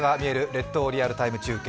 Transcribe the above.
列島リアルタイム中継」